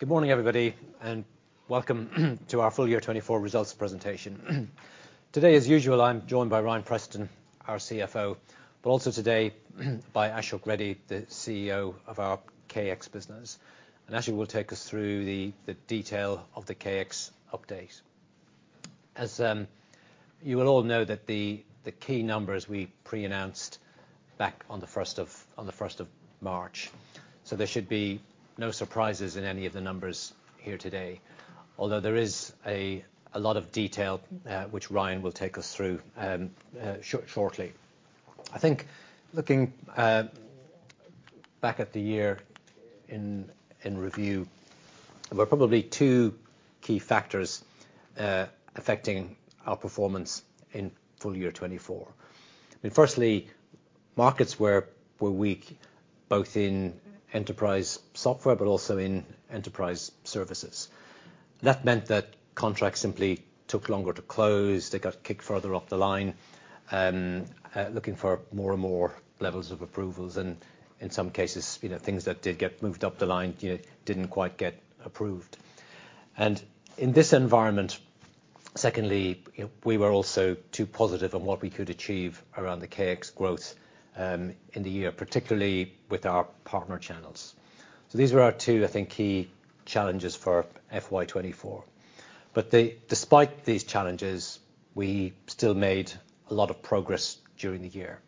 Good morning, everybody, and welcome to our full year 2024 results presentation. Today, as usual, I'm joined by Ryan Preston, our CFO, but also today, by Ashok Reddy, the CEO of our KX business. Ashok will take us through the detail of the KX update. As you will all know that the key numbers we pre-announced back on the first of March. So there should be no surprises in any of the numbers here today. Although there is a lot of detail which Ryan will take us through shortly. I think looking back at the year in review, there were probably two key factors affecting our performance in full year 2024. I mean, firstly, markets were weak, both in enterprise software, but also in enterprise services. That meant that contracts simply took longer to close. They got kicked further off the line, looking for more and more levels of approvals, and in some cases, you know, things that did get moved up the line, you know, didn't quite get approved. And in this environment, secondly, you know, we were also too positive on what we could achieve around the KX growth in the year, particularly with our partner channels. So these were our two, I think, key challenges for FY 2024. But despite these challenges, we still made a lot of progress during the year.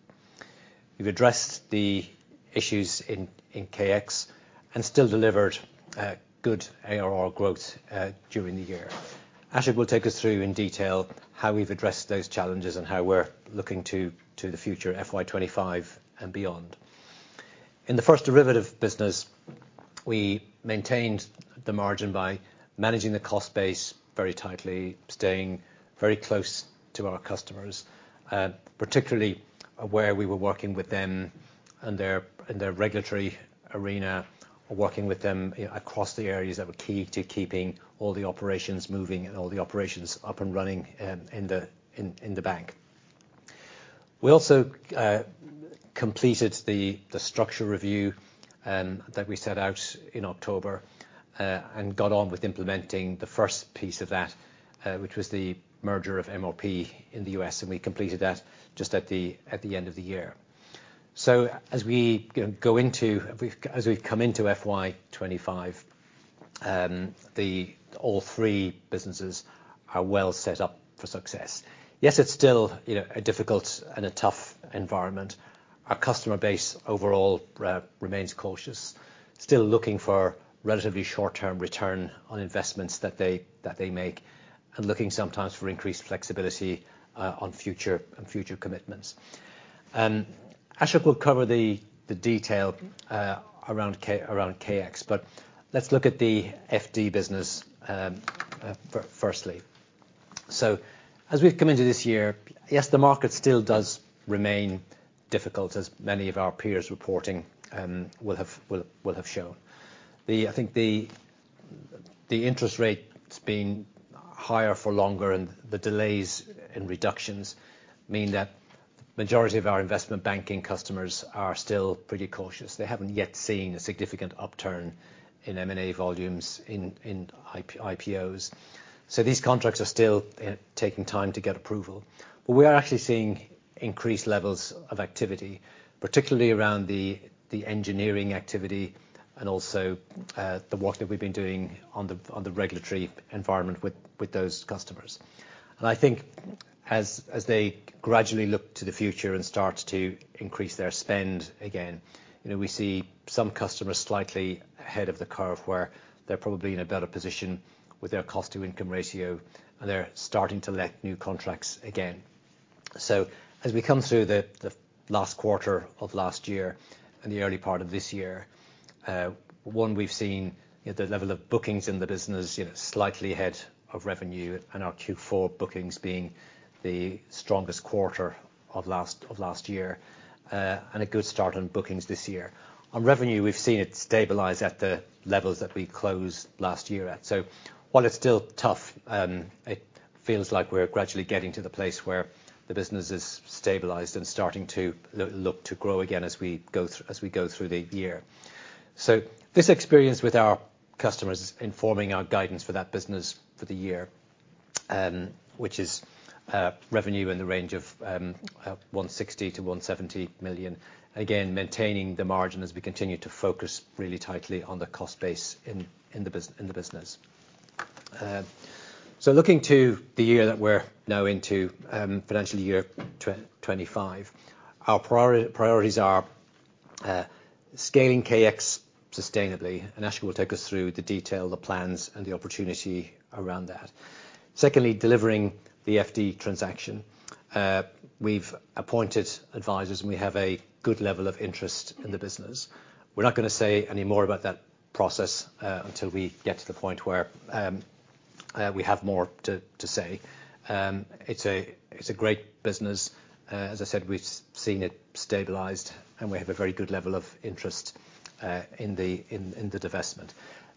We've addressed the issues in KX, and still delivered good ARR growth during the year. Ashok will take us through in detail, how we've addressed those challenges, and how we're looking to the future FY 2025 and beyond. In the First Derivative business, we maintained the margin by managing the cost base very tightly, staying very close to our customers, particularly where we were working with them in their regulatory arena, or working with them across the areas that were key to keeping all the operations moving and all the operations up and running, in the bank. We also completed the structure review that we set out in October, and got on with implementing the first piece of that, which was the merger of MRP in the U.S., and we completed that just at the end of the year. So as we, you know, go into... We've as we've come into FY 25, all three businesses are well set up for success. Yes, it's still, you know, a difficult and a tough environment. Our customer base overall remains cautious, still looking for relatively short-term return on investments that they, that they make, and looking sometimes for increased flexibility on future, on future commitments. Ashok will cover the detail around KX, but let's look at the FD business firstly. So, as we've come into this year, yes, the market still does remain difficult, as many of our peers reporting will have shown. I think the interest rates being higher for longer, and the delays and reductions mean that majority of our investment banking customers are still pretty cautious. They haven't yet seen a significant upturn in M&A volumes in IPOs. So these contracts are still taking time to get approval. But we are actually seeing increased levels of activity, particularly around the engineering activity and also the work that we've been doing on the regulatory environment with those customers. And I think as they gradually look to the future and start to increase their spend again, you know, we see some customers slightly ahead of the curve, where they're probably in a better position with their cost-to-income ratio, and they're starting to let new contracts again. So as we come through the last quarter of last year and the early part of this year, we've seen, you know, the level of bookings in the business, you know, slightly ahead of revenue, and our Q4 bookings being the strongest quarter of last year. And a good start on bookings this year. On revenue, we've seen it stabilize at the levels that we closed last year at. So while it's still tough, it feels like we're gradually getting to the place where the business is stabilized and starting to look to grow again as we go through the year. So this experience with our customers is informing our guidance for that business for the year, which is revenue in the range of 160 million-170 million. Again, maintaining the margin as we continue to focus really tightly on the cost base in the business. So looking to the year that we're now into, financial year 2025, our priorities are scaling KX sustainably, and Ashok will take us through the detail, the plans, and the opportunity around that. Secondly, delivering the FD transaction. We've appointed advisors, and we have a good level of interest in the business. We're not gonna say any more about that process until we get to the point where we have more to say. It's a great business. As I said, we've seen it stabilized, and we have a very good level of interest in the divestment.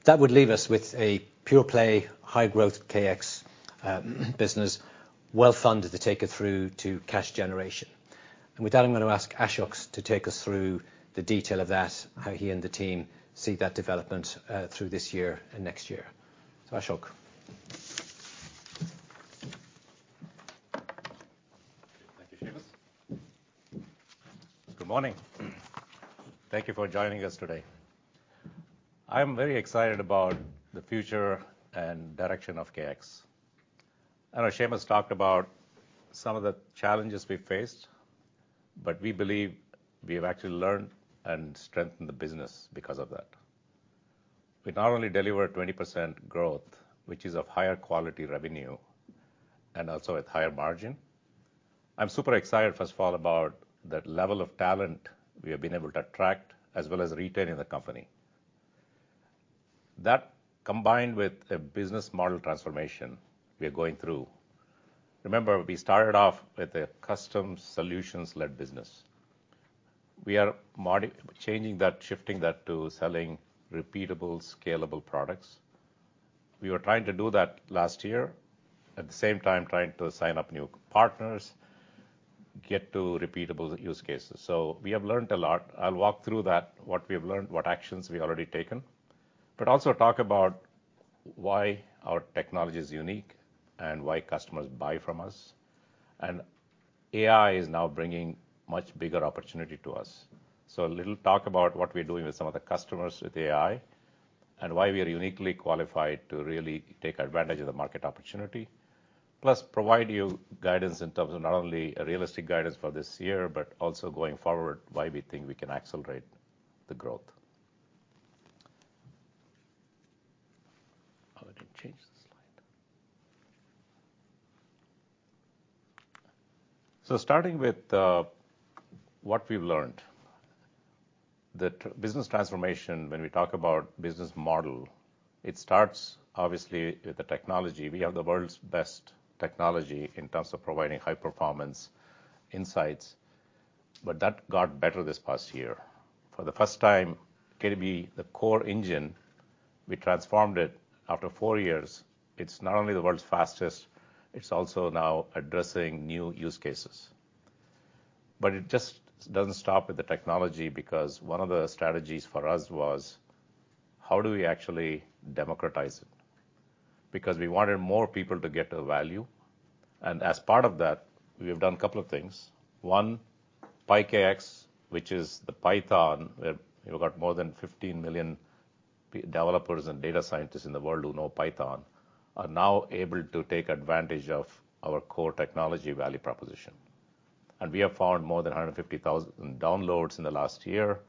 That would leave us with a pure play, high growth KX business, well-funded to take it through to cash generation. With that, I'm gonna ask Ashok to take us through the detail of that, how he and the team see that development through this year and next year. Ashok. Thank you, Seamus. Good morning. Thank you for joining us today. I'm very excited about the future and direction of KX. I know Seamus talked about some of the challenges we faced, but we believe we have actually learned and strengthened the business because of that. We not only delivered 20% growth, which is of higher quality revenue, and also with higher margin. I'm super excited, first of all, about the level of talent we have been able to attract, as well as retain in the company. That, combined with a business model transformation we are going through. Remember, we started off with a custom solutions-led business. We are changing that, shifting that to selling repeatable, scalable products. We were trying to do that last year, at the same time, trying to sign up new partners, get to repeatable use cases. So we have learned a lot. I'll walk through that, what we have learned, what actions we've already taken, but also talk about why our technology is unique and why customers buy from us. AI is now bringing much bigger opportunity to us. A little talk about what we're doing with some of the customers with AI, and why we are uniquely qualified to really take advantage of the market opportunity. Plus, provide you guidance in terms of not only a realistic guidance for this year, but also going forward, why we think we can accelerate the growth. How do I change the slide? Starting with what we've learned. The business transformation, when we talk about business model, it starts, obviously, with the technology. We have the world's best technology in terms of providing high performance insights, but that got better this past year. For the first time, kdb+, the core engine, we transformed it after four years. It's not only the world's fastest, it's also now addressing new use cases. But it just doesn't stop with the technology, because one of the strategies for us was: how do we actually democratize it? Because we wanted more people to get the value, and as part of that, we have done a couple of things. One, PyKX, which is the Python, we've got more than 15 million Python developers and data scientists in the world who know Python, are now able to take advantage of our core technology value proposition. And we have found more than 150,000 downloads in the last year.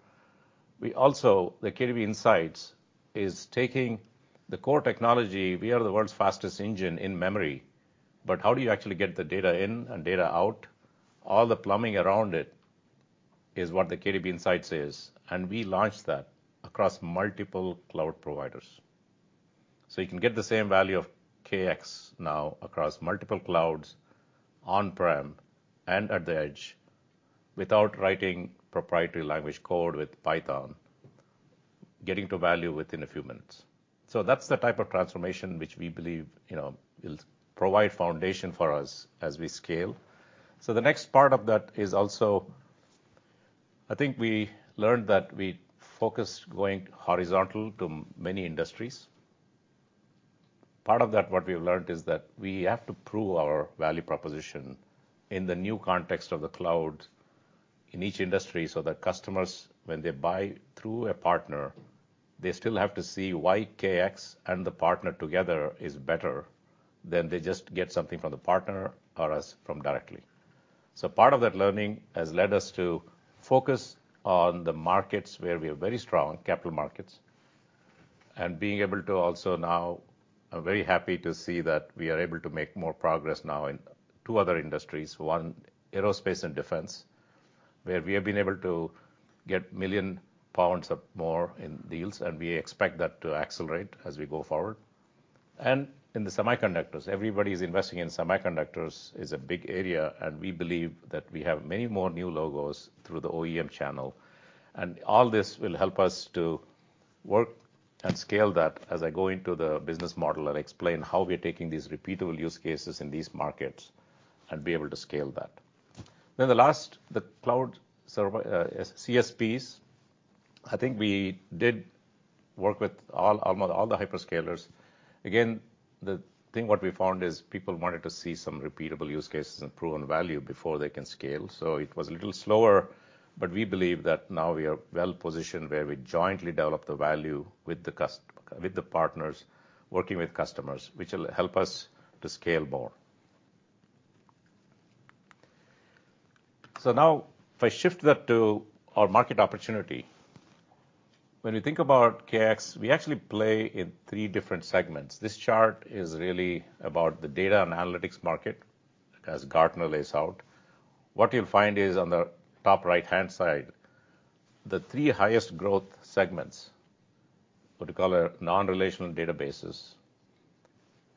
We also, the KX Insights, is taking the core technology. We are the world's fastest engine in memory, but how do you actually get the data in and data out? All the plumbing around it is what the KX Insights is, and we launched that across multiple cloud providers. So you can get the same value of KX now across multiple clouds, on-prem, and at the edge, without writing proprietary language code with Python, getting to value within a few minutes. So that's the type of transformation which we believe, you know, will provide foundation for us as we scale. So the next part of that is also. I think we learned that we focused going horizontal to many industries. Part of that, what we have learned, is that we have to prove our value proposition in the new context of the cloud in each industry, so that customers, when they buy through a partner, they still have to see why KX and the partner together is better than they just get something from the partner or us from directly. So part of that learning has led us to focus on the markets where we are very strong, capital markets, and being able to also now, are very happy to see that we are able to make more progress now in two other industries. One, aerospace and defense, where we have been able to get 1 million pounds or more in deals, and we expect that to accelerate as we go forward. And in the semiconductors, everybody is investing in semiconductors. It's a big area, and we believe that we have many more new logos through the OEM channel. And all this will help us to work and scale that as I go into the business model and explain how we're taking these repeatable use cases in these markets and be able to scale that. Then the last, the cloud server, CSPs, I think we did work with all, almost all the hyperscalers. Again, the thing, what we found, is people wanted to see some repeatable use cases and proven value before they can scale, so it was a little slower, but we believe that now we are well positioned, where we jointly develop the value with the partners, working with customers, which will help us to scale more. So now, if I shift that to our market opportunity, when we think about KX, we actually play in three different segments. This chart is really about the data and analytics market, as Gartner lays out. What you'll find is on the top right-hand side, the three highest growth segments, what we call our non-relational databases,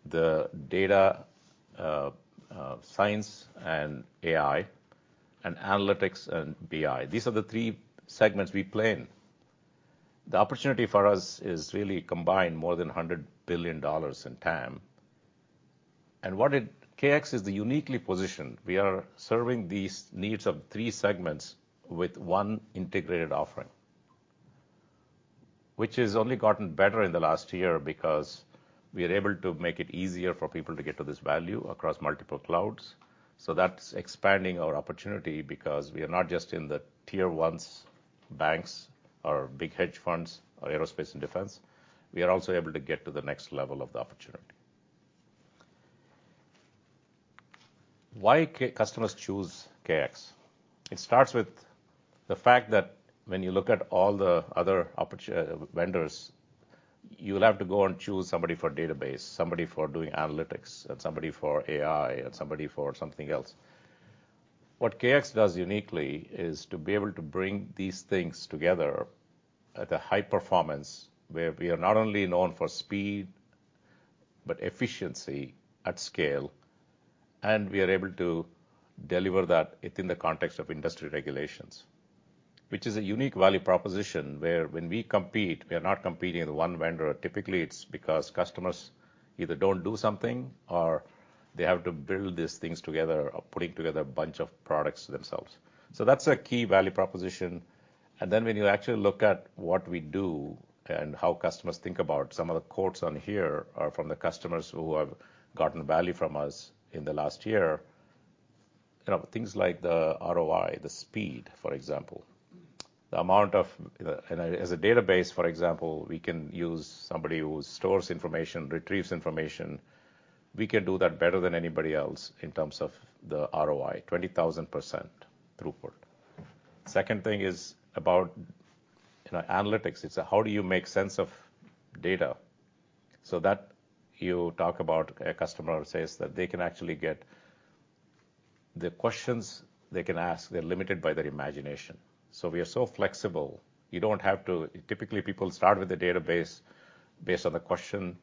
the data science and AI, and analytics and BI. These are the three segments we play in. The opportunity for us is really combined more than $100 billion in TAM. And what KX is uniquely positioned. We are serving these needs of three segments with one integrated offering, which has only gotten better in the last year because we are able to make it easier for people to get to this value across multiple clouds. So that's expanding our opportunity, because we are not just in the tier ones, banks or big hedge funds or aerospace and defense, we are also able to get to the next level of the opportunity. Why customers choose KX? It starts with the fact that when you look at all the other vendors, you will have to go and choose somebody for database, somebody for doing analytics, and somebody for AI, and somebody for something else. What KX does uniquely is to be able to bring these things together at a high performance, where we are not only known for speed, but efficiency at scale, and we are able to deliver that within the context of industry regulations. Which is a unique value proposition, where when we compete, we are not competing with one vendor. Typically, it's because customers either don't do something or they have to build these things together or putting together a bunch of products themselves. So that's a key value proposition. And then when you actually look at what we do and how customers think about. Some of the quotes on here are from the customers who have gotten value from us in the last year. You know, things like the ROI, the speed, for example, the amount of... And as a database, for example, we can use somebody who stores information, retrieves information. We can do that better than anybody else in terms of the ROI, 20,000% throughput. Second thing is about, you know, analytics. It's how do you make sense of data? So that you talk about a customer who says that they can actually get, the questions they can ask, they're limited by their imagination. So we are so flexible. You don't have to... Typically, people start with a database based on the question.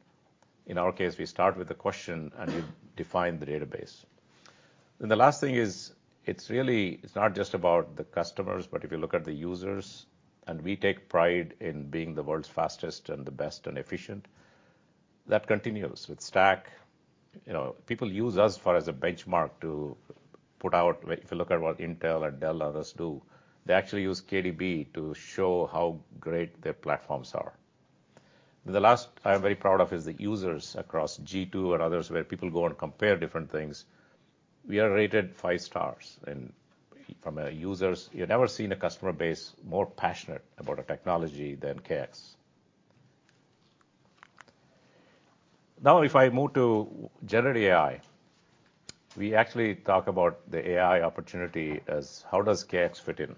In our case, we start with the question, and we define the database. Then the last thing is, it's really, it's not just about the customers, but if you look at the users, and we take pride in being the world's fastest and the best and efficient. That continues with Stack. You know, people use us for as a benchmark to put out... If you look at what Intel and Dell others do, they actually use kdb+ to show how great their platforms are. The last I'm very proud of is the users across G2 and others, where people go and compare different things. We are rated five stars, and from our users, you've never seen a customer base more passionate about a technology than KX. Now, if I move to generative AI, we actually talk about the AI opportunity as how does KX fit in?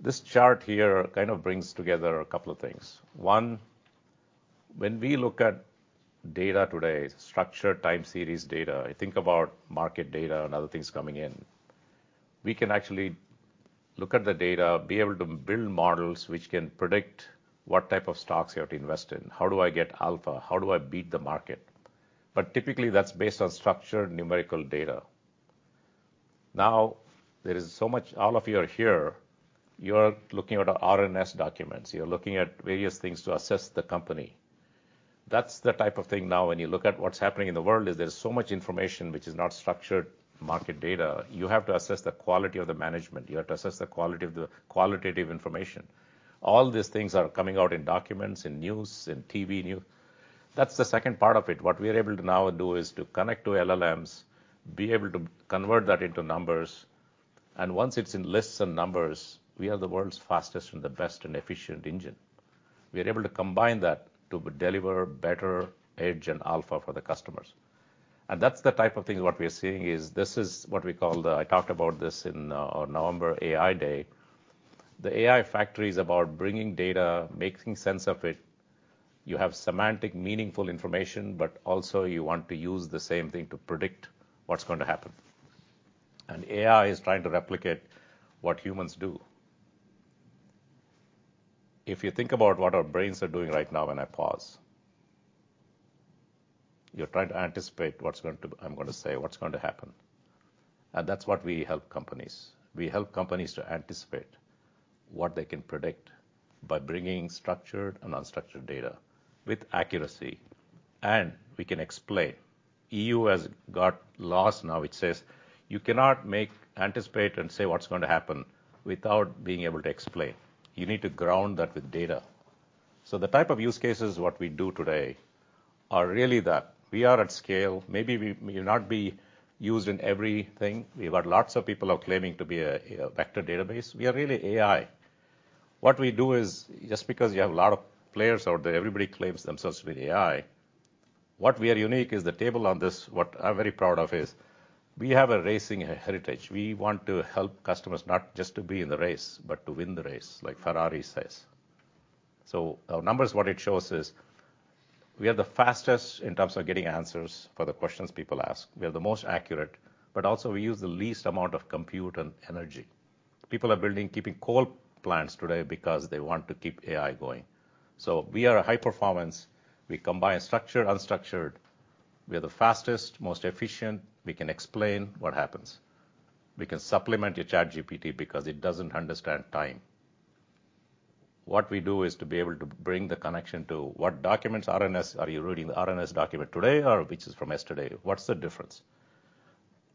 This chart here kind of brings together a couple of things. One, when we look at data today, structured time series data, I think about market data and other things coming in. We can actually look at the data, be able to build models which can predict what type of stocks you have to invest in. How do I get Alpha? How do I beat the market? But typically that's based on structured numerical data. Now, there is so much... All of you are here, you are looking at RNS documents, you are looking at various things to assess the company. That's the type of thing now, when you look at what's happening in the world, is there's so much information which is not structured market data. You have to assess the quality of the management, you have to assess the quality of the qualitative information. All these things are coming out in documents, in news, in TV news. That's the second part of it. What we are able to now do is to connect to LLMs, be able to convert that into numbers, and once it's in lists and numbers, we are the world's fastest and the best and efficient engine. We are able to combine that to deliver better edge and alpha for the customers. And that's the type of thing what we are seeing is this is what we call the I talked about this in our November AI Day. The AI factory is about bringing data, making sense of it. You have semantic, meaningful information, but also you want to use the same thing to predict what's going to happen. AI is trying to replicate what humans do. If you think about what our brains are doing right now, when I pause, you're trying to anticipate what's going to—I'm going to say, what's going to happen. That's what we help companies. We help companies to anticipate what they can predict by bringing structured and unstructured data with accuracy, and we can explain. E.U. has got laws now, it says, "You cannot make, anticipate and say what's going to happen without being able to explain. You need to ground that with data." The type of use cases, what we do today are really that. We are at scale. Maybe we may not be used in everything. We've got lots of people are claiming to be a, a vector database. We are really AI. What we do is, just because you have a lot of players out there, everybody claims themselves to be AI. What we are unique is the table on this. What I'm very proud of is we have a racing heritage. We want to help customers not just to be in the race, but to win the race, like Ferrari says. So our numbers, what it shows is we are the fastest in terms of getting answers for the questions people ask. We are the most accurate, but also we use the least amount of compute and energy. People are building, keeping coal plants today because they want to keep AI going. So we are a high performance. We combine structured, unstructured. We are the fastest, most efficient. We can explain what happens. We can supplement your ChatGPT because it doesn't understand time.... What we do is to be able to bring the connection to what documents. RNS, are you reading the RNS document today or which is from yesterday? What's the difference?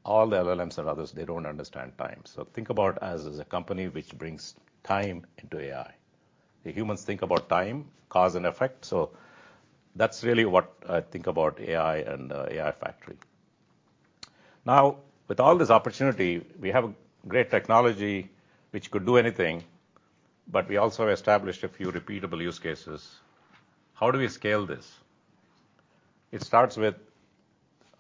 All the LLMs and others, they don't understand time. So think about us as a company which brings time into AI. The humans think about time, cause, and effect, so that's really what I think about AI and AI factory. Now, with all this opportunity, we have great technology which could do anything, but we also established a few repeatable use cases. How do we scale this? It starts with: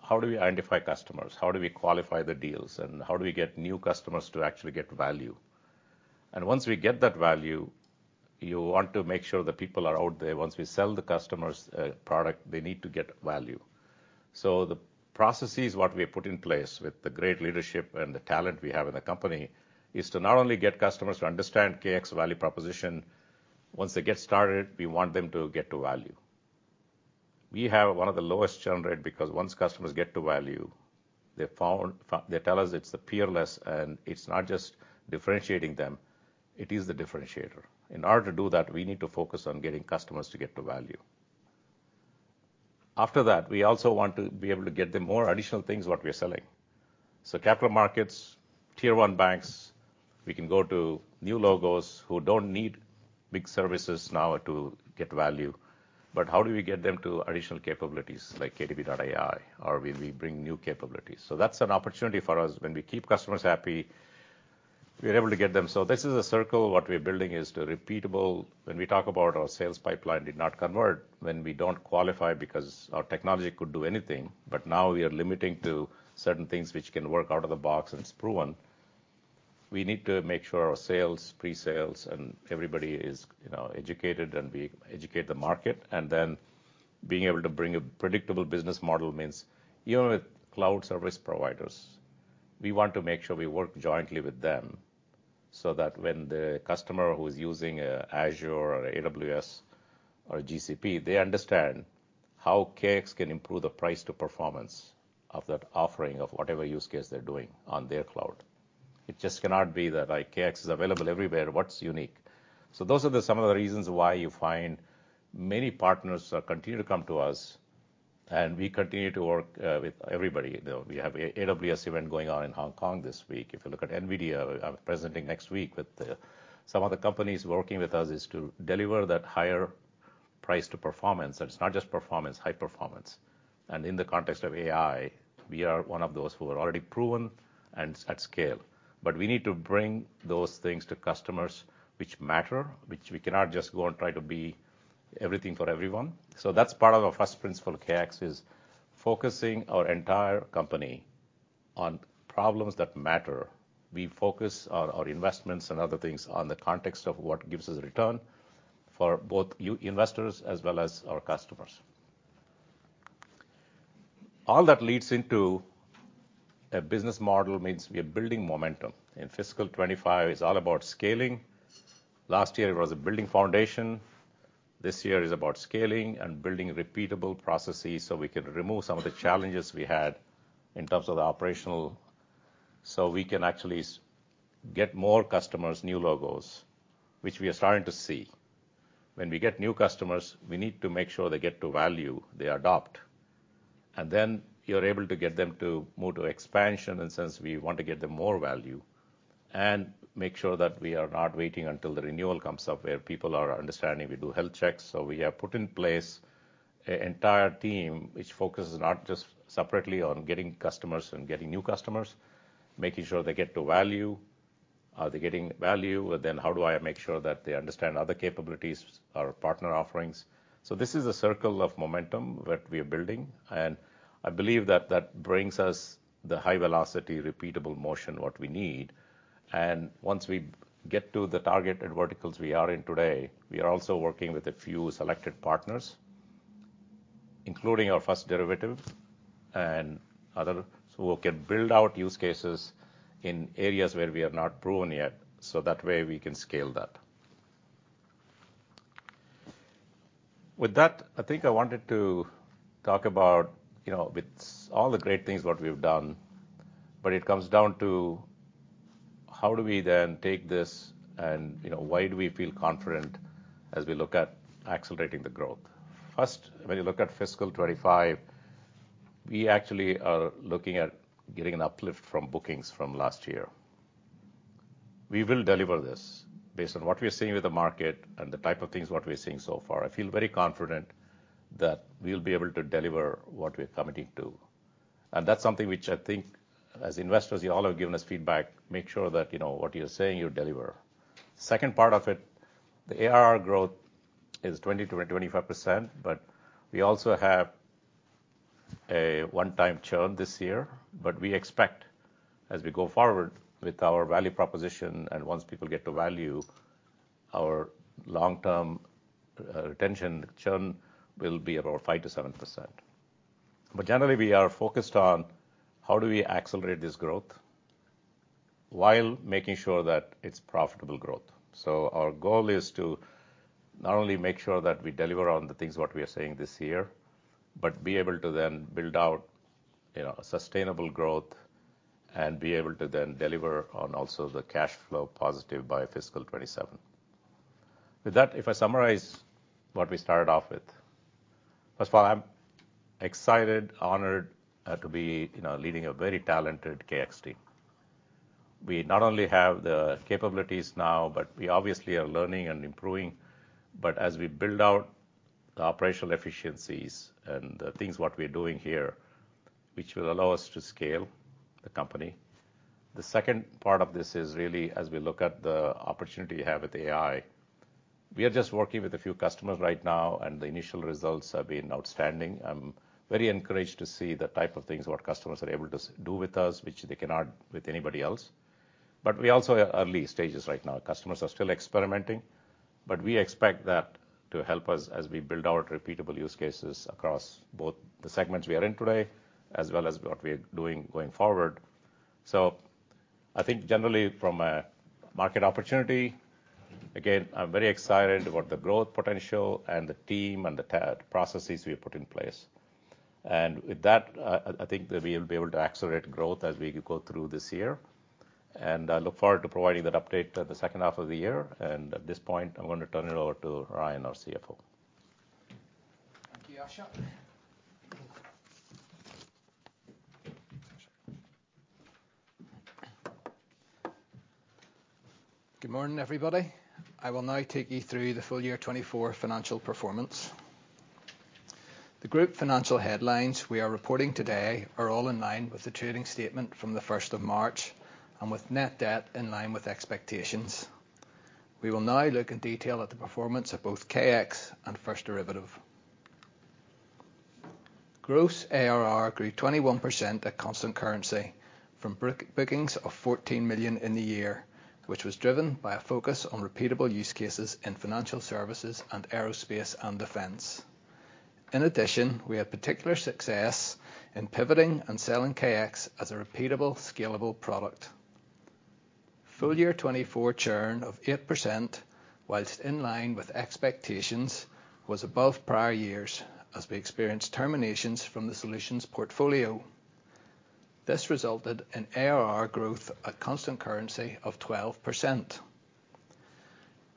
How do we identify customers? How do we qualify the deals, and how do we get new customers to actually get value? And once we get that value, you want to make sure the people are out there. Once we sell the customers a product, they need to get value. So the processes, what we put in place with the great leadership and the talent we have in the company, is to not only get customers to understand KX value proposition, once they get started, we want them to get to value. We have one of the lowest churn rate, because once customers get to value, they follow, they tell us it's peerless, and it's not just differentiating them, it is the differentiator. In order to do that, we need to focus on getting customers to get to value. After that, we also want to be able to get them more additional things what we are selling. So capital markets, tier one banks, we can go to new logos who don't need big services now to get value, but how do we get them to additional capabilities like kdb+.AI, or we, we bring new capabilities? So that's an opportunity for us. When we keep customers happy, we are able to get them. So this is a circle. What we are building is the repeatable... When we talk about our sales pipeline did not convert, when we don't qualify because our technology could do anything, but now we are limiting to certain things which can work out of the box and it's proven, we need to make sure our sales, pre-sales, and everybody is, you know, educated, and we educate the market. And then being able to bring a predictable business model means, even with cloud service providers, we want to make sure we work jointly with them, so that when the customer who is using Azure or AWS or GCP, they understand how KX can improve the price to performance of that offering, of whatever use case they're doing on their cloud. It just cannot be that, like, KX is available everywhere. What's unique? So those are the some of the reasons why you find many partners continue to come to us, and we continue to work with everybody. You know, we have AWS event going on in Hong Kong this week. If you look at Nvidia, I'm presenting next week with some other companies working with us, is to deliver that higher price to performance. And it's not just performance, high performance. In the context of AI, we are one of those who are already proven and at scale. But we need to bring those things to customers which matter, which we cannot just go and try to be everything for everyone. So that's part of our first principle. KX is focusing our entire company on problems that matter. We focus our investments and other things on the context of what gives us a return for both you investors as well as our customers. All that leads into a business model, means we are building momentum, and fiscal 2025 is all about scaling. Last year was a building foundation. This year is about scaling and building repeatable processes so we can remove some of the challenges we had in terms of the operational, so we can actually get more customers, new logos, which we are starting to see. When we get new customers, we need to make sure they get to value, they adopt, and then you're able to get them to move to expansion, and since we want to get them more value, and make sure that we are not waiting until the renewal comes up, where people are understanding we do health checks. So we have put in place an entire team which focuses not just separately on getting customers and getting new customers, making sure they get to value. Are they getting value? Then how do I make sure that they understand other capabilities, our partner offerings? So this is a circle of momentum that we are building, and I believe that that brings us the high velocity, repeatable motion, what we need. Once we get to the target and verticals we are in today, we are also working with a few selected partners, including our First Derivative and other, so we can build out use cases in areas where we have not proven yet, so that way, we can scale that. With that, I think I wanted to talk about, you know, with all the great things what we've done, but it comes down to how do we then take this and, you know, why do we feel confident as we look at accelerating the growth? First, when you look at fiscal 2025, we actually are looking at getting an uplift from bookings from last year. We will deliver this. Based on what we are seeing with the market and the type of things what we are seeing so far, I feel very confident that we'll be able to deliver what we are committing to. And that's something which I think as investors, you all have given us feedback, make sure that, you know, what you're saying, you deliver. Second part of it, the ARR growth is 20%-25%, but we also have a one-time churn this year. But we expect, as we go forward with our value proposition and once people get to value, our long-term, retention churn will be about 5%-7%. But generally, we are focused on how do we accelerate this growth while making sure that it's profitable growth. So our goal is to not only make sure that we deliver on the things what we are saying this year, but be able to then build out, you know, sustainable growth and be able to then deliver on also the cash flow positive by fiscal 2027. With that, if I summarize what we started off with, first of all, I'm excited, honored, to be, you know, leading a very talented KX team. We not only have the capabilities now, but we obviously are learning and improving. But as we build out the operational efficiencies and the things what we're doing here, which will allow us to scale the company, the second part of this is really as we look at the opportunity we have with AI. We are just working with a few customers right now, and the initial results have been outstanding. I'm very encouraged to see the type of things what customers are able to do with us, which they cannot with anybody else. But we also are early stages right now. Customers are still experimenting, but we expect that to help us as we build out repeatable use cases across both the segments we are in today, as well as what we are doing going forward. So I think generally from a market opportunity, again, I'm very excited about the growth potential and the team and the processes we have put in place. And with that, I think that we'll be able to accelerate growth as we go through this year, and I look forward to providing that update at the second half of the year. And at this point, I'm going to turn it over to Ryan, our CFO. Thank you, Ashok. Good morning, everybody. I will now take you through the full year 2024 financial performance. The group financial headlines we are reporting today are all in line with the trading statement from the first of March, and with net debt in line with expectations. We will now look in detail at the performance of both KX and First Derivative. Gross ARR grew 21% at constant currency from bookings of 14 million in the year, which was driven by a focus on repeatable use cases in financial services and aerospace and defense. In addition, we had particular success in pivoting and selling KX as a repeatable, scalable product. Full year 2024 churn of 8%, while in line with expectations, was above prior years as we experienced terminations from the solutions portfolio. This resulted in ARR growth at constant currency of 12%.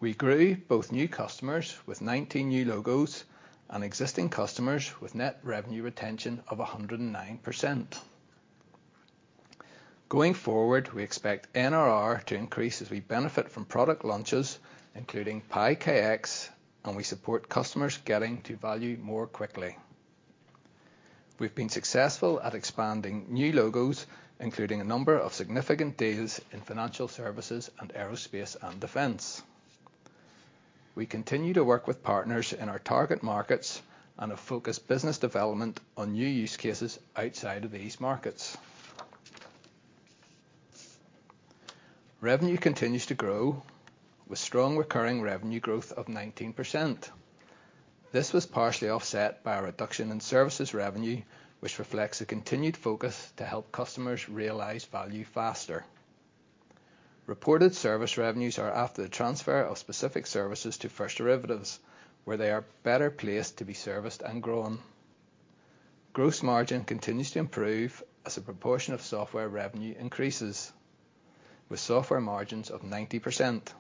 We grew both new customers with 19 new logos and existing customers with net revenue retention of 109%. Going forward, we expect NRR to increase as we benefit from product launches, including PyKX, and we support customers getting to value more quickly. We've been successful at expanding new logos, including a number of significant deals in financial services and aerospace and defense. We continue to work with partners in our target markets and have focused business development on new use cases outside of these markets. Revenue continues to grow with strong recurring revenue growth of 19%. This was partially offset by a reduction in services revenue, which reflects a continued focus to help customers realize value faster. Reported service revenues are after the transfer of specific services to First Derivative, where they are better placed to be serviced and grown. Gross margin continues to improve as a proportion of software revenue increases, with software margins of 90%.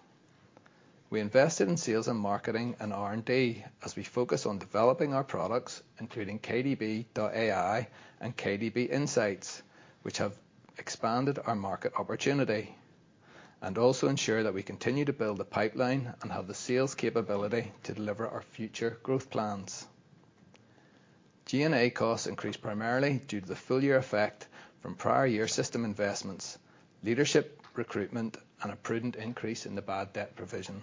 We invested in sales and marketing and R&D as we focus on developing our products, including KDB.AI and KX Insights, which have expanded our market opportunity, and also ensure that we continue to build the pipeline and have the sales capability to deliver our future growth plans. G&A costs increased primarily due to the full year effect from prior year system investments, leadership recruitment, and a prudent increase in the bad debt provision.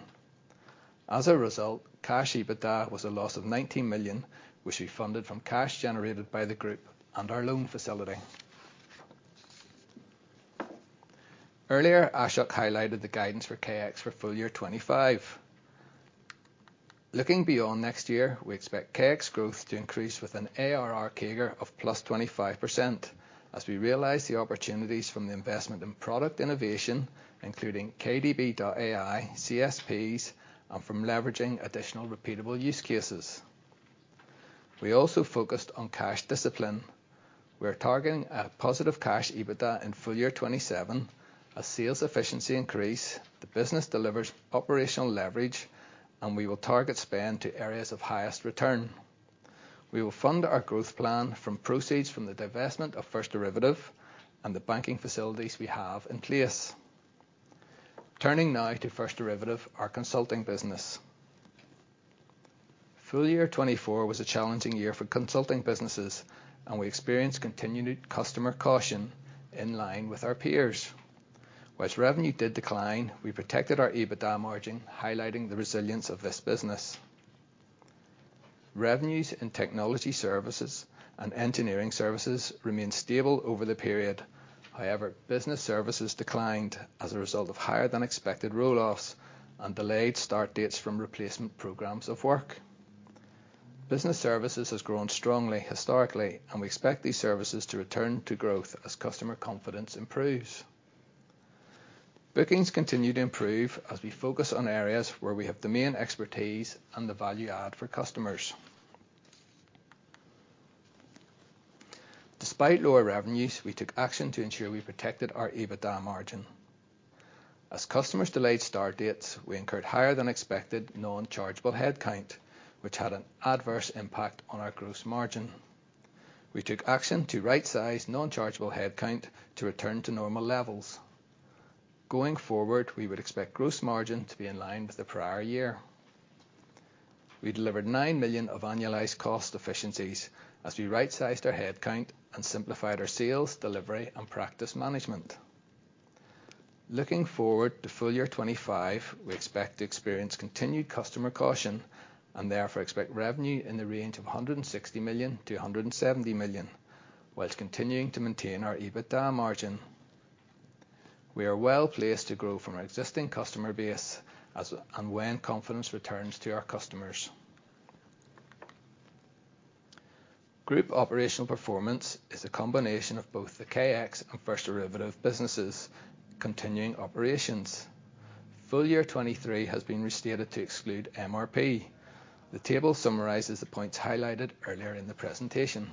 As a result, cash EBITDA was a loss of 19 million, which we funded from cash generated by the group and our loan facility. Earlier, Ashok highlighted the guidance for KX for full year 2025. Looking beyond next year, we expect KX growth to increase with an ARR CAGR of +25% as we realize the opportunities from the investment in product innovation, including kdb+.AI, CSPs, and from leveraging additional repeatable use cases. We also focused on cash discipline. We are targeting a positive cash EBITDA in full year 2027. As sales efficiency increase, the business delivers operational leverage, and we will target spend to areas of highest return. We will fund our growth plan from proceeds from the divestment of First Derivative and the banking facilities we have in place. Turning now to First Derivative, our consulting business. Full year 2024 was a challenging year for consulting businesses, and we experienced continued customer caution in line with our peers. While revenue did decline, we protected our EBITDA margin, highlighting the resilience of this business. Revenues in technology services and engineering services remained stable over the period. However, business services declined as a result of higher than expected roll-offs and delayed start dates from replacement programs of work. Business services has grown strongly historically, and we expect these services to return to growth as customer confidence improves... Bookings continue to improve as we focus on areas where we have domain expertise and the value add for customers. Despite lower revenues, we took action to ensure we protected our EBITDA margin. As customers delayed start dates, we incurred higher than expected non-chargeable headcount, which had an adverse impact on our gross margin. We took action to right-size non-chargeable headcount to return to normal levels. Going forward, we would expect gross margin to be in line with the prior year. We delivered 9 million of annualized cost efficiencies as we right-sized our headcount and simplified our sales, delivery, and practice management. Looking forward to full year 2025, we expect to experience continued customer caution, and therefore expect revenue in the range of 160 million-170 million, while continuing to maintain our EBITDA margin. We are well-placed to grow from our existing customer base as and when confidence returns to our customers. Group operational performance is a combination of both the KX and First Derivative businesses, continuing operations. Full year 2023 has been restated to exclude MRP. The table summarizes the points highlighted earlier in the presentation.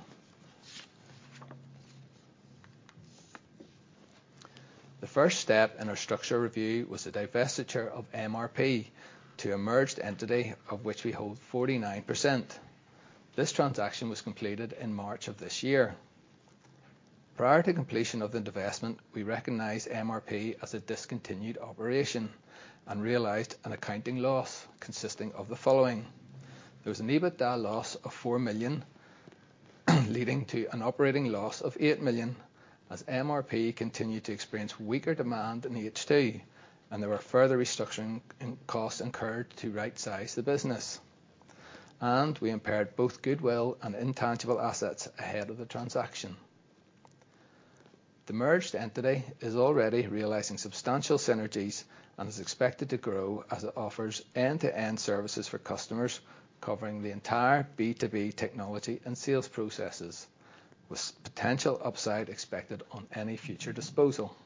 The first step in our structural review was the divestiture of MRP to a merged entity, of which we hold 49%. This transaction was completed in March of this year. Prior to completion of the divestment, we recognized MRP as a discontinued operation and realized an accounting loss consisting of the following: There was an EBITDA loss of 4 million, leading to an operating loss of 8 million, as MRP continued to experience weaker demand in H2, and there were further restructuring in costs incurred to rightsize the business. We impaired both goodwill and intangible assets ahead of the transaction. The merged entity is already realizing substantial synergies and is expected to grow as it offers end-to-end services for customers, covering the entire B2B technology and sales processes, with potential upside expected on any future disposal.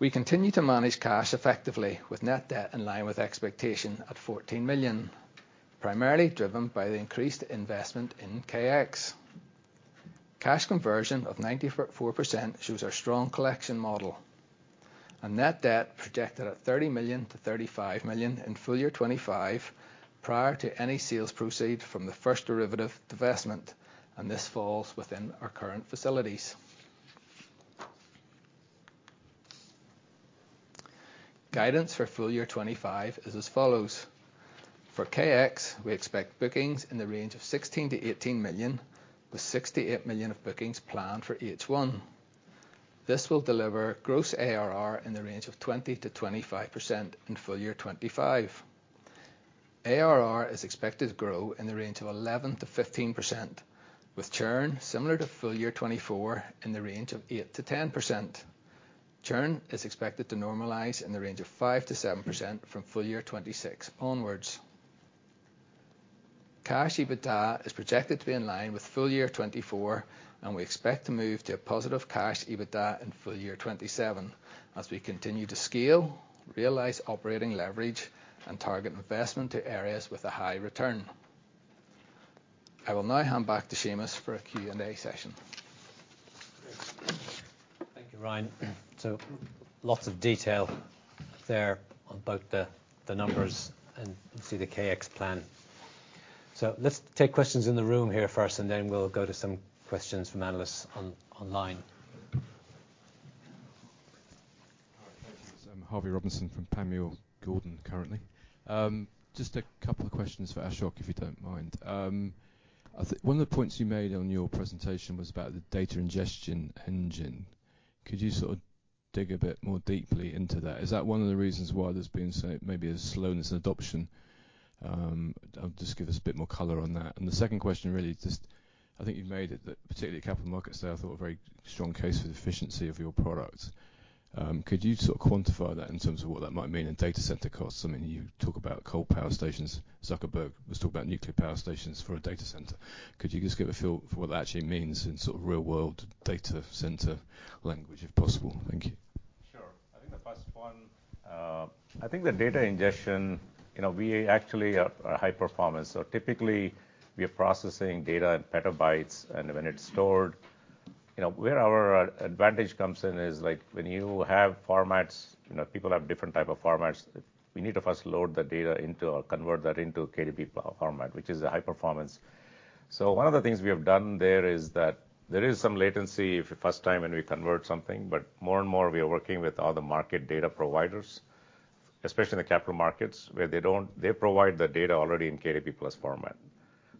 We continue to manage cash effectively with net debt in line with expectation at 14 million, primarily driven by the increased investment in KX. Cash conversion of 94% shows our strong collection model. Net debt projected at 30 million-35 million in full year 2025, prior to any sales proceeds from the First Derivative divestment, and this falls within our current facilities. Guidance for full year 2025 is as follows: For KX, we expect bookings in the range of 16 million-18 million, with 68 million of bookings planned for H1. This will deliver gross ARR in the range of 20%-25% in full year 2025. ARR is expected to grow in the range of 11%-15%, with churn similar to full year 2024, in the range of 8%-10%. Churn is expected to normalize in the range of 5%-7% from full year 2026 onwards. Cash EBITDA is projected to be in line with full year 2024, and we expect to move to a positive cash EBITDA in full year 2027, as we continue to scale, realize operating leverage, and target investment to areas with a high return. I will now hand back to Seamus for a Q&A session. Thank you, Ryan. So lots of detail there on both the numbers and the KX plan. So let's take questions in the room here first, and then we'll go to some questions from analysts online. Hi, thank you. So I'm Harvey Robinson from Panmure Gordon, currently. Just a couple of questions for Ashok, if you don't mind. I think one of the points you made on your presentation was about the data ingestion engine. Could you sort of dig a bit more deeply into that? Is that one of the reasons why there's been so, maybe a slowness in adoption? Just give us a bit more color on that. And the second question, really, just I think you've made it, that particularly capital markets there, I thought, a very strong case for the efficiency of your product. Could you sort of quantify that in terms of what that might mean in data center costs? I mean, you talk about coal power stations. Zuckerberg was talking about nuclear power stations for a data center. Could you just give a feel for what that actually means in sort of real-world data center language, if possible? Thank you. Sure. I think the first one, I think the data ingestion, you know, we actually are high performance. So typically, we are processing data in petabytes, and when it's stored, you know, where our advantage comes in is, like, when you have formats, you know, people have different type of formats. We need to first load the data into or convert that into kdb+ format, which is a high performance. So one of the things we have done there is that there is some latency the first time when we convert something, but more and more, we are working with other market data providers, especially in the capital markets, where they don't, they provide the data already in kdb+ format.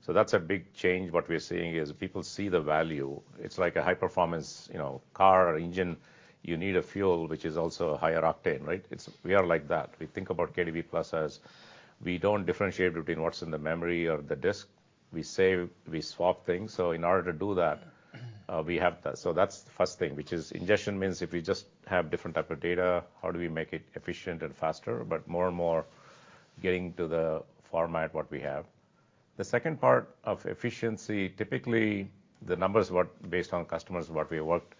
So that's a big change. What we're seeing is people see the value. It's like a high-performance, you know, car or engine. You need a fuel, which is also a higher octane, right? It's. We are like that. We think about kdb+ as we don't differentiate between what's in the memory or the disk. We save, we swap things. So in order to do that, we have that. So that's the first thing, which is ingestion means if we just have different type of data, how do we make it efficient and faster? But more and more getting to the format, what we have. The second part of efficiency, typically, the numbers were based on customers what we worked.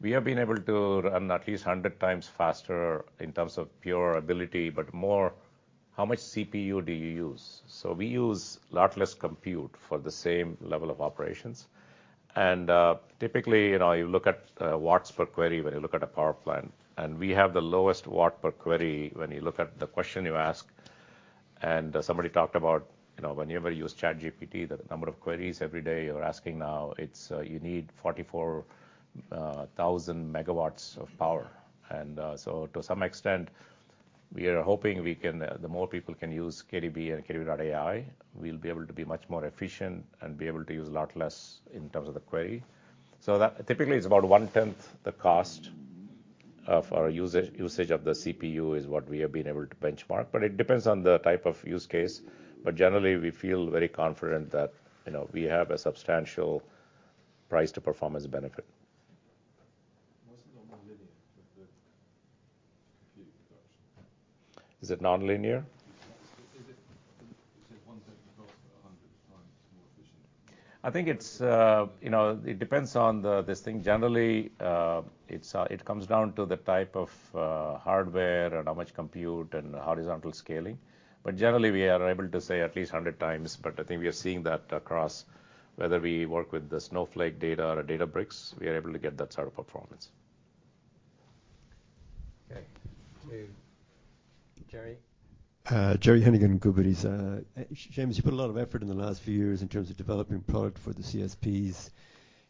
We have been able to run at least 100 times faster in terms of pure ability, but more, how much CPU do you use? So we use a lot less compute for the same level of operations. Typically, you know, you look at watts per query when you look at a power plant, and we have the lowest watt per query when you look at the question you ask. Somebody talked about, you know, whenever you use ChatGPT, the number of queries every day you're asking now, it's you need 44,000 MW of power. So to some extent, we are hoping we can the more people can use kdb+ and kdb.ai, we'll be able to be much more efficient and be able to use a lot less in terms of the query. So that... Typically, it's about one tenth the cost of our usage, usage of the CPU, is what we have been able to benchmark, but it depends on the type of use case. Generally, we feel very confident that, you know, we have a substantial price to performance benefit. Why is it not more linear with the compute production? Is it nonlinear? Is it, you said 1/10 the cost, but 100 times more efficient. I think it's, you know, it depends on the this thing. Generally, it's it comes down to the type of hardware and how much compute and horizontal scaling, but generally, we are able to say at least 100 times. But I think we are seeing that across whether we work with the Snowflake data or the Databricks, we are able to get that sort of performance. Okay. To Gerry. Gerry Hennigan, Goodbody. Seamus, you put a lot of effort in the last few years in terms of developing product for the CSPs.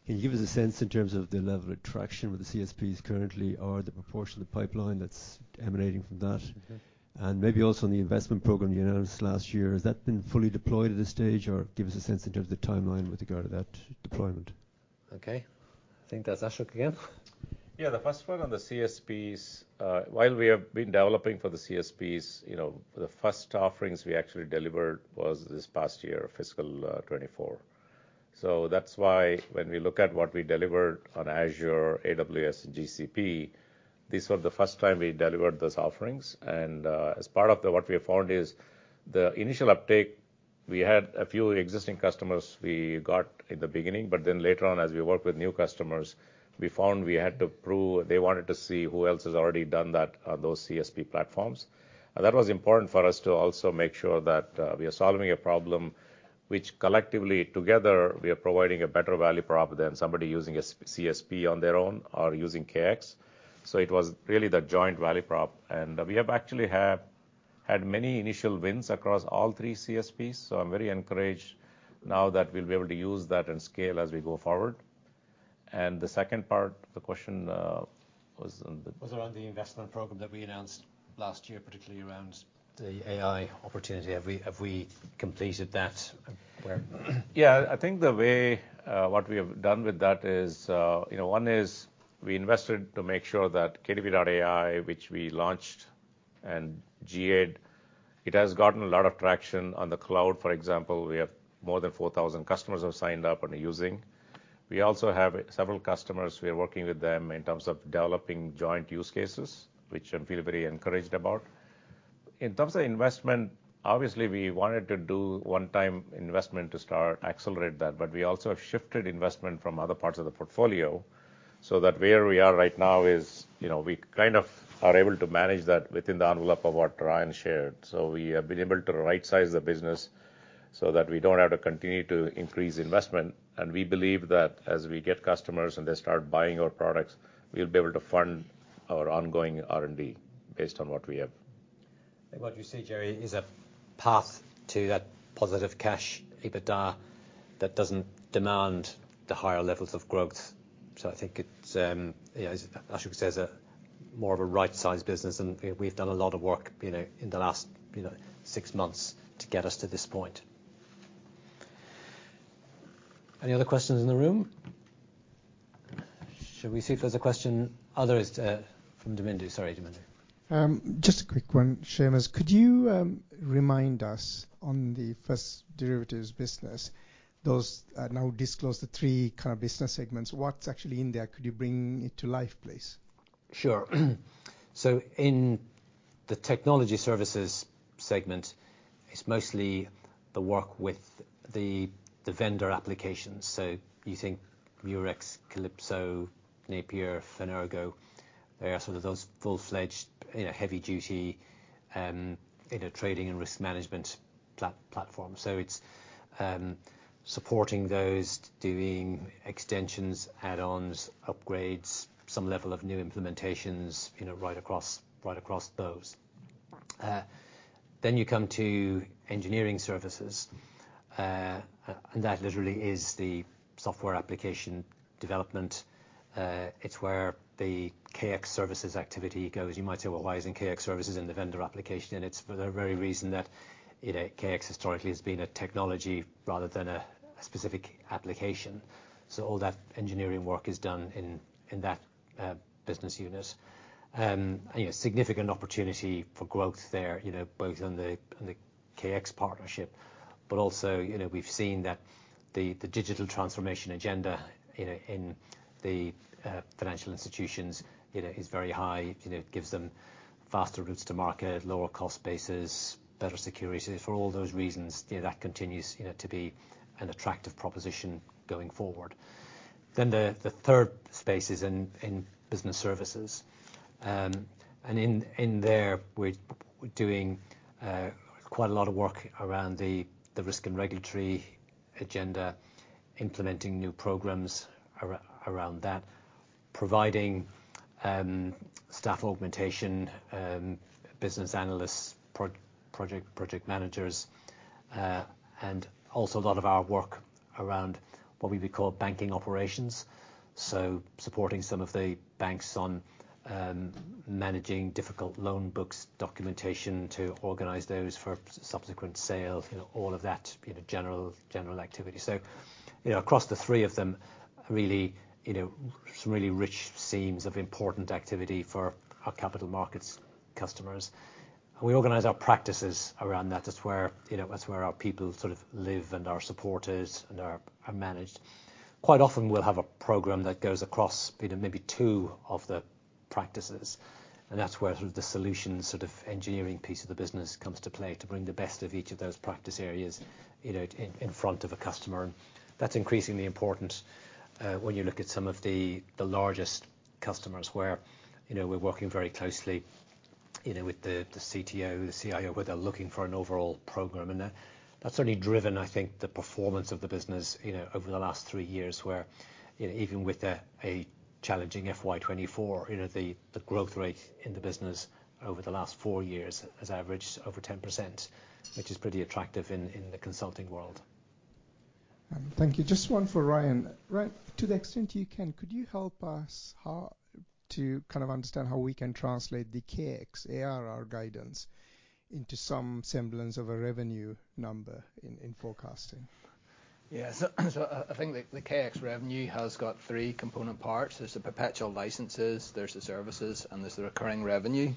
Can you give us a sense in terms of the level of traction with the CSPs currently, or the proportion of the pipeline that's emanating from that? Mm-hmm. Maybe also on the investment program you announced last year, has that been fully deployed at this stage, or give us a sense in terms of the timeline with regard to that deployment? Okay. I think that's Ashok again. Yeah, the first one on the CSPs, while we have been developing for the CSPs, you know, the first offerings we actually delivered was this past year, fiscal 2024. So that's why when we look at what we delivered on Azure, AWS, and GCP, these were the first time we delivered those offerings. And, as part of the, what we have found is, the initial uptake, we had a few existing customers we got in the beginning, but then later on, as we worked with new customers, we found we had to prove, they wanted to see who else has already done that on those CSP platforms. And that was important for us to also make sure that, we are solving a problem which collectively, together, we are providing a better value prop than somebody using a CSP on their own or using KX. So it was really the joint value prop, and we have actually have had many initial wins across all three CSPs, so I'm very encouraged now that we'll be able to use that and scale as we go forward. And the second part, the question, was on the- Was around the investment program that we announced last year, particularly around the AI opportunity. Have we, have we completed that, where? Yeah, I think the way what we have done with that is, you know, one is we invested to make sure that kdb+.AI, which we launched and GA'd, it has gotten a lot of traction on the cloud, for example, we have more than 4,000 customers have signed up and are using. We also have several customers, we are working with them in terms of developing joint use cases, which I feel very encouraged about. In terms of investment, obviously, we wanted to do one-time investment to start, accelerate that, but we also have shifted investment from other parts of the portfolio, so that where we are right now is, you know, we kind of are able to manage that within the envelope of what Ryan shared. We have been able to rightsize the business so that we don't have to continue to increase investment, and we believe that as we get customers and they start buying our products, we'll be able to fund our ongoing R&D based on what we have. What you see, Gerry, is a path to that positive cash EBITDA that doesn't demand the higher levels of growth. I think it's, yeah, as Ashok says, a more of a right-sized business, and, you know, we've done a lot of work, you know, in the last, you know, six months to get us to this point. Any other questions in the room? Should we see if there's a question, others, from Damindu? Sorry, Damindu. Just a quick one, Seamus. Could you remind us on the First Derivative's business, those now disclosed, the three kinds of business segments. What's actually in there? Could you bring it to life, please? Sure. So in the technology services segment, it's mostly the work with the vendor applications. So you think Eurex, Calypso, Napier, Fenergo. They are sort of those full-fledged, you know, heavy duty, trading and risk management platform. So it's supporting those, doing extensions, add-ons, upgrades, some level of new implementations, you know, right across, right across those. Then you come to engineering services, and that literally is the software application development. It's where the KX services activity goes. You might say, "Well, why isn't KX services in the vendor application?" And it's for the very reason that, you know, KX historically has been a technology rather than a specific application. So all that engineering work is done in that business unit. You know, significant opportunity for growth there, you know, both on the KX partnership, but also, you know, we've seen that the digital transformation agenda, you know, in the financial institutions, you know, is very high. You know, it gives them faster routes to market, lower cost bases, better security. For all those reasons, yeah, that continues, you know, to be an attractive proposition going forward. Then the third space is in business services. And in there, we're doing quite a lot of work around the risk and regulatory agenda, implementing new programs around that. Providing staff augmentation, business analysts, project managers, and also a lot of our work around what we would call banking operations. So supporting some of the banks on, managing difficult loan books, documentation to organize those for subsequent sales, you know, all of that, you know, general, general activity. So, you know, across the three of them, really, you know, some really rich seams of important activity for our capital markets customers. We organize our practices around that. That's where, you know, that's where our people sort of live and are supported and are, are managed. Quite often, we'll have a program that goes across, you know, maybe two of the practices, and that's where sort of the solution, sort of engineering piece of the business comes to play, to bring the best of each of those practice areas, you know, in, in front of a customer. That's increasingly important when you look at some of the largest customers where, you know, we're working very closely, you know, with the CTO, the CIO, where they're looking for an overall program. And that, that's only driven, I think, the performance of the business, you know, over the last three years, where, you know, even with a challenging FY 2024, you know, the growth rate in the business over the last four years has averaged over 10%, which is pretty attractive in the consulting world. Thank you. Just one for Ryan. Ry, to the extent you can, could you help us to kind of understand how we can translate the KX ARR guidance into some semblance of a revenue number in forecasting? Yeah, so I think the KX revenue has got three component parts. There's the perpetual licenses, there's the services, and there's the recurring revenue.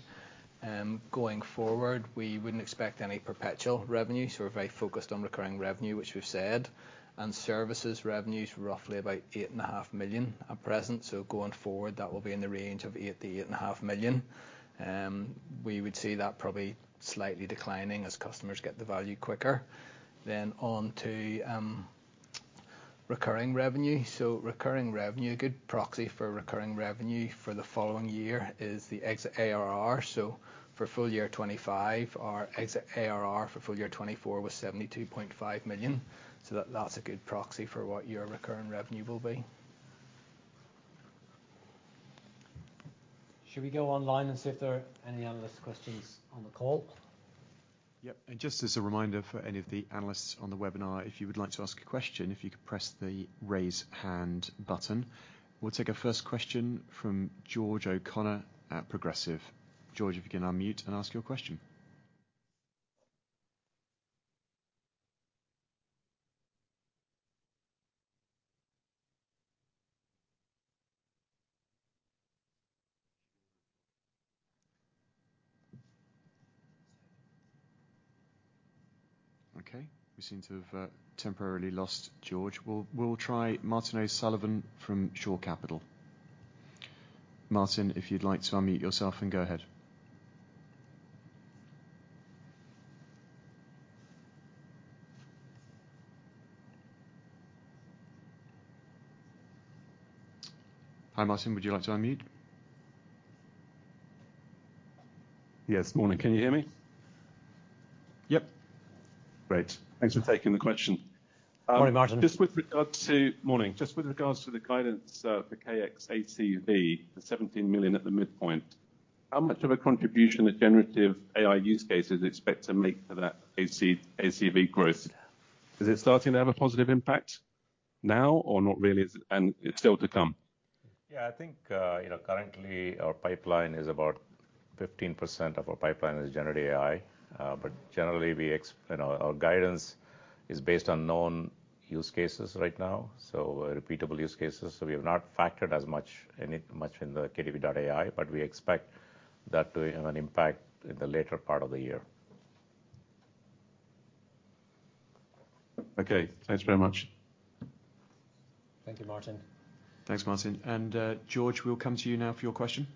Going forward, we wouldn't expect any perpetual revenue, so we're very focused on recurring revenue, which we've said. Services revenues roughly about 8.5 million at present. So going forward, that will be in the range of 8 million-8.5 million. We would see that probably slightly declining as customers get the value quicker. Then on to recurring revenue. So recurring revenue, a good proxy for recurring revenue for the following year is the exit ARR. So for full year 2025, our exit ARR for full year 2024 was 72.5 million. So that's a good proxy for what your recurring revenue will be. Should we go online and see if there are any analyst questions on the call? Yep. And just as a reminder for any of the analysts on the webinar, if you would like to ask a question, if you could press the Raise Hand button. We'll take our first question from George O'Connor at Progressive. George, if you can unmute and ask your question. Okay, we seem to have temporarily lost George. We'll, we'll try Martin O'Sullivan from Shore Capital. Martin, if you'd like to unmute yourself, and go ahead. Hi, Martin, would you like to unmute? Yes. Morning, can you hear me? Yep. Great. Thanks for taking the question. Good morning, Martin. Morning. Just with regards to the guidance for KX ACV, the 17 million at the midpoint, how much of a contribution the generative AI use cases expect to make for that ACV growth? Is it starting to have a positive impact now, or not really, and it's still to come? Yeah, I think, you know, currently our pipeline is about 15% of our pipeline is generative AI. But generally, we, you know, our guidance is based on known use cases right now, so repeatable use cases. So we have not factored as much in, much in the KDB.AI, but we expect that to have an impact in the later part of the year. Okay, thanks very much. Thank you, Martin. Thanks, Martin. And, George, we'll come to you now for your question.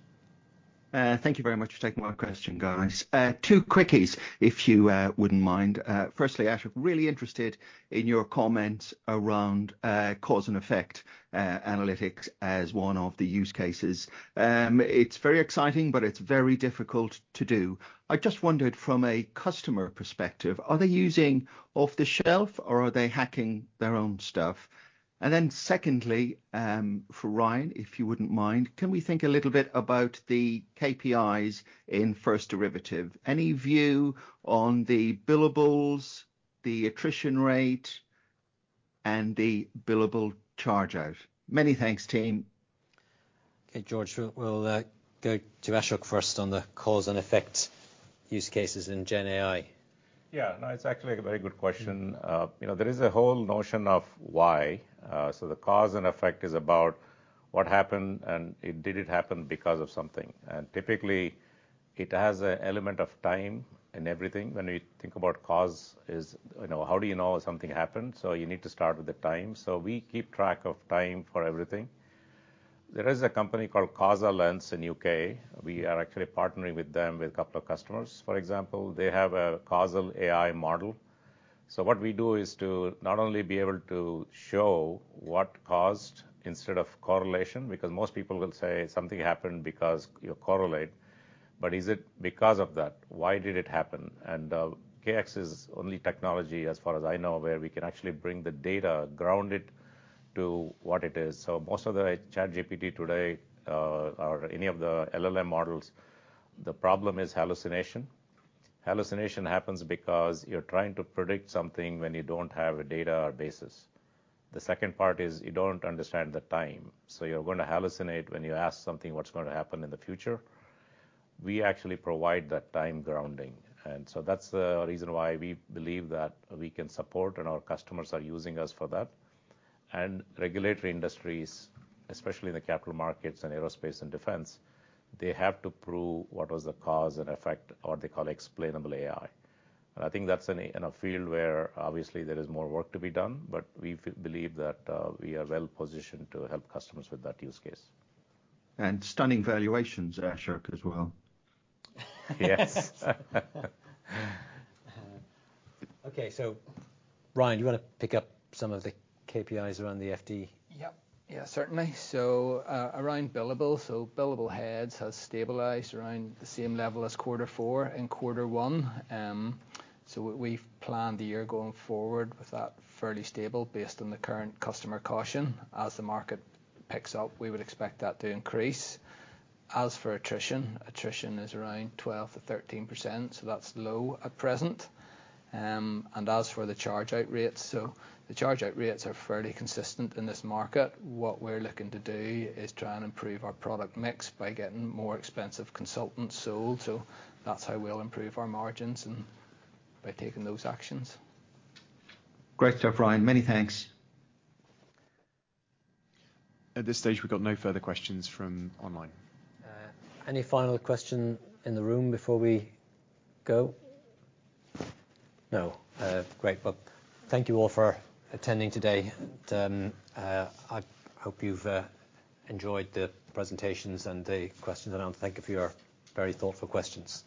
Thank you very much for taking my question, guys. Two quickies, if you wouldn't mind. Firstly, Ashok, really interested in your comments around cause and effect analytics as one of the use cases. It's very exciting, but it's very difficult to do. I just wondered from a customer perspective, are they using off-the-shelf, or are they hacking their own stuff? And then secondly, for Ryan, if you wouldn't mind, can we think a little bit about the KPIs in First Derivative? Any view on the billables, the attrition rate, and the billable charge-out? Many thanks, team. Okay, George, we'll go to Ashok first on the cause and effect use cases in GenAI. Yeah. No, it's actually a very good question. You know, there is a whole notion of why. So the cause and effect is about what happened, and did it happen because of something? And typically, it has an element of time in everything. When we think about causes, you know, how do you know something happened? So you need to start with the time. So we keep track of time for everything. There is a company called causaLens in UK. We are actually partnering with them with a couple of customers. For example, they have a causal AI model... So what we do is to not only be able to show what caused, instead of correlation, because most people will say something happened because you correlate, but is it because of that? Why did it happen? And, KX is only technology, as far as I know, where we can actually bring the data, ground it to what it is. So most of the ChatGPT today, or any of the LLM models, the problem is hallucination. Hallucination happens because you're trying to predict something when you don't have a data or basis. The second part is you don't understand the time, so you're gonna hallucinate when you ask something, what's going to happen in the future. We actually provide that time grounding, and so that's the reason why we believe that we can support, and our customers are using us for that. And regulatory industries, especially in the capital markets and aerospace and defense, they have to prove what was the cause and effect, or they call explainable AI. I think that's in a field where obviously there is more work to be done, but we believe that we are well positioned to help customers with that use case. Stunning valuations, Ashok, as well. Yes. Okay. So Ryan, do you wanna pick up some of the KPIs around the FD? Yep. Yeah, certainly. So, around billable, so billable heads has stabilized around the same level as quarter four and quarter one. So what we've planned the year going forward with that fairly stable, based on the current customer caution. As the market picks up, we would expect that to increase. As for attrition, attrition is around 12%-13%, so that's low at present. And as for the charge-out rates, so the charge-out rates are fairly consistent in this market. What we're looking to do is try and improve our product mix by getting more expensive consultants sold. So that's how we'll improve our margins, and by taking those actions. Great job, Ryan, many thanks. At this stage, we've got no further questions from online. Any final question in the room before we go? No. Great. Well, thank you all for attending today, and I hope you've enjoyed the presentations and the questions. And thank you for your very thoughtful questions.